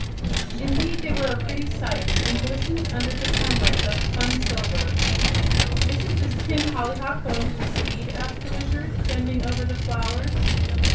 Indeed, they were a pretty sight, and glistened under the sunlight like spun silver. "Isn't this tin hollyhock going to seed?" asked the Wizard, bending over the flowers.